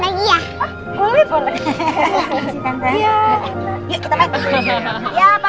dan siapa juga ayo mejor bo nutzen kemch apartment tv